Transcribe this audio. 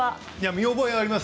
見覚えはあります